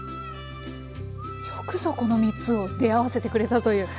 よくぞこの３つを出会わせてくれたという。